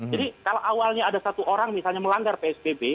jadi kalau awalnya ada satu orang misalnya melanggar psbb